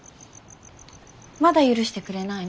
まだ許してくれないの？